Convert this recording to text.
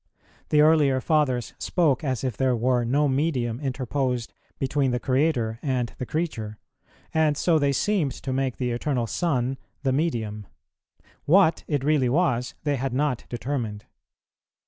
The earlier Fathers spoke as if there were no medium interposed between the Creator and the creature, and so they seemed to make the Eternal Son the medium; what it really was, they had not determined.